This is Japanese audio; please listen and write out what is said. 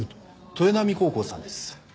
豊並高校さんです。